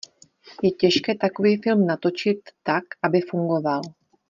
Je těžké takový film natočit tak, aby fungoval.